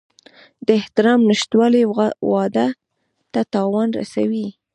د احترام نشتوالی واده ته تاوان رسوي.